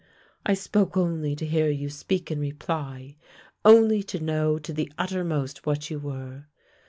I spoke only to hear you speak in reply — only to know to the uttermost what you were.